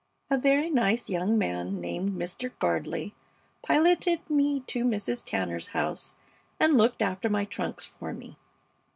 A very nice young man named Mr. Gardley piloted me to Mrs. Tanner's house and looked after my trunks for me.